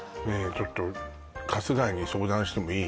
ちょっと春日井に相談してもいい？